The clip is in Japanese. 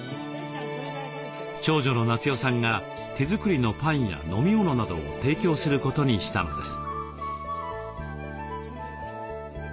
長女の奈津代さんが手作りのパンや飲み物などを提供することにしたのです。